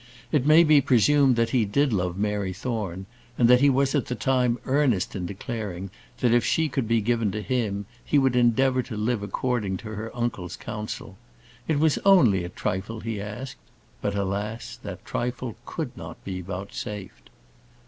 It may be presumed that he did love Mary Thorne, and that he was at the time earnest in declaring, that if she could be given to him, he would endeavour to live according to her uncle's counsel. It was only a trifle he asked; but, alas! that trifle could not be vouchsafed.